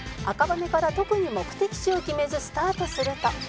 「赤羽から特に目的地を決めずスタートすると」